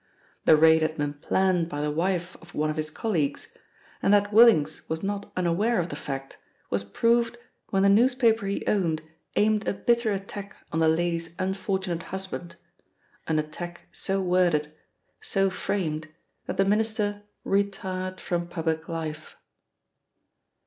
The raid had been planned by the wife of one of his colleagues, and that Willings was not unaware of the fact, was proved when the newspaper he owned aimed a bitter attack on the lady's unfortunate husband, an attack so worded, so framed, that the Minister retired from public life.